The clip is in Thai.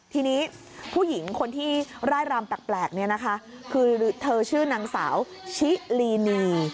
ทีนี้ผู้หญิงคนที่ไร่รำแปลกคือเธอชื่อนางสาวชิลีนี